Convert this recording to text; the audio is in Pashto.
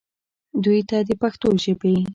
دوي ته د پښتو ژبې